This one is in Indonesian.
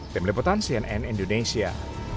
tim liputan cnn indonesia